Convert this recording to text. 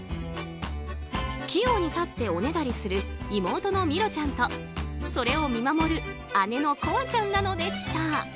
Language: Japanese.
器用に立っておねだりする妹のミロちゃんとそれを見守る姉のこあちゃんなのでした。